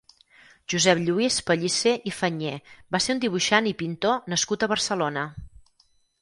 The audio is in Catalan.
Josep Lluís Pellicer i Fenyé va ser un dibuixant i pintor nascut a Barcelona.